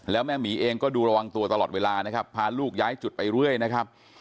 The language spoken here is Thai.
แล้วแม่หมีเองก็ดูระวังตัวตลอดเวลานะครับพาลูกย้ายจุดไปเรื่อยนะครับ